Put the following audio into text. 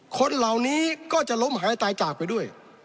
คนเหล่านี้ก็จะล้มหายตายจากไปด้วย